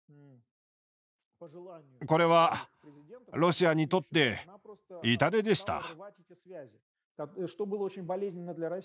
これはロシアにとって痛手でした。